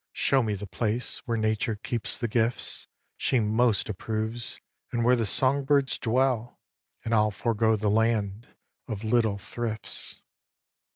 Show me the place where Nature keeps the gifts She most approves, and where the song birds dwell, And I'll forego the land of little thrifts.